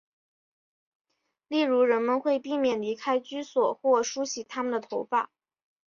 例如人们会避免离开居所或梳洗他们的头发。